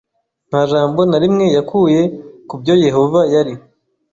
Nta jambo na rimwe yakuye ku byoYehova yari